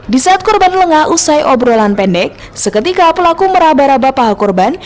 di saat korban lengah usai obrolan pendek seketika pelaku meraba raba paha korban